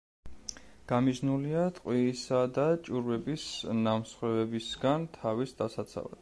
გამიზნულია ტყვიისა და ჭურვების ნამსხვრევებისგან თავის დასაცავად.